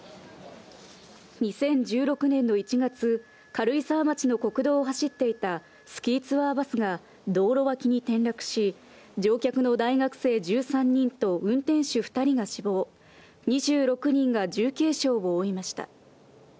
２０１６年の１月、軽井沢町の国道を走っていたスキーツアーバスが、道路脇に転落し、乗客の大学生１３人と運転手２人が死亡、２６人が重軽傷を負いました。